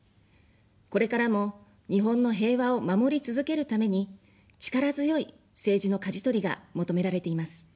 これからも日本の平和を守り続けるために、力強い政治のかじ取りが求められています。